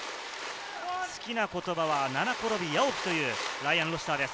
好きな言葉は七転び八起きというライアン・ロシターです。